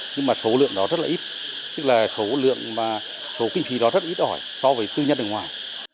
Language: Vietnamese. nhưng mà số lượng đó rất là ít tức là số lượng số kinh phí đó rất ít ỏi so với tư nhân ở ngoài